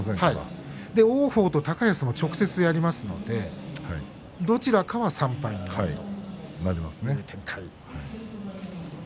王鵬と高安も直接やりますのでどちらかが３敗になるという展開です。